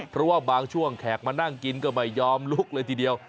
เพราะว่าบางช่วงแขกมานั่งกินก็ไม่ยอมลุกเลยทีเดียว